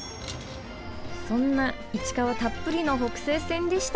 そんないちかわたっぷりの北勢線でした。